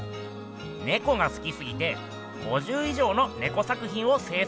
ネコがすきすぎて５０以上のネコ作品を制作したっす。